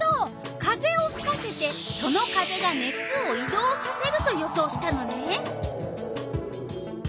風をふかせてその風が熱をい動させると予想したのね。